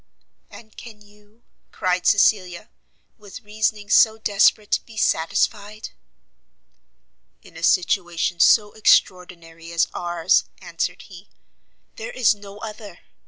"And can you," cried Cecilia, "with reasoning so desperate be satisfied? "In a situation so extraordinary as ours," answered he, "there is no other.